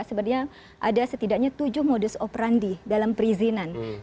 sebenarnya ada setidaknya tujuh modus operandi dalam perizinan